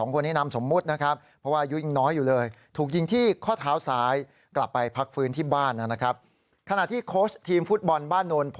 ๒คนให้นำสมมตินะครับเพราะว่าอายุยิ่งน้อยอยู่เลย